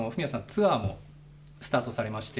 ツアーもスタートされまして。